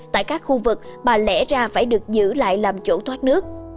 tại các khu vực mà lẽ ra phải được giữ lại làm chỗ thoát nước